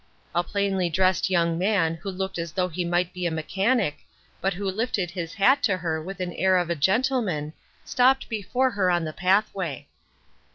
A plainly dressed young man who looked as though he might be a mechanic, but who lifted his hat to her with the air of a gen tleman, stopped before her in the pathway.